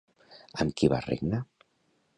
Amb qui va regnar?